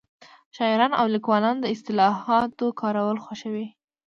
شاعران او لیکوالان د اصطلاحاتو کارول خوښوي